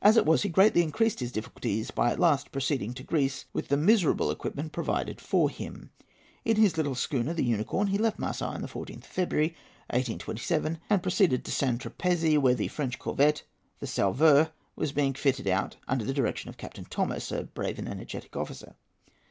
As it was, he greatly increased his difficulties by at last proceeding to Greece with the miserable equipment provided for him. In his little schooner, the Unicorn, he left Marseilles on the 14th of February, 1827, and proceeded to St. Tropezy, where the French corvette, the Sauveur, was being fitted out under the direction of Captain Thomas, a brave and energetic officer.